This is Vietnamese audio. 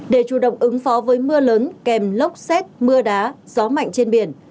để chủ động ứng phó với mưa lớn kèm lốc xét mưa đá gió mạnh trên biển